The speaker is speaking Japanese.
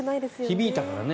響いたからね。